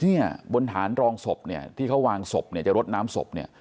เนี่ยบนฐานรองศพเนี่ยที่เขาวางศพเนี่ยจะรดน้ำศพเนี่ย